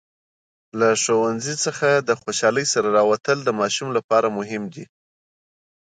له ښوونځي نه د خوشالۍ سره راووتل د ماشوم لپاره مهم دی.